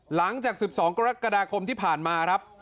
หลังจาก๑๒กรกฎาคมที่ผ่านมาครับ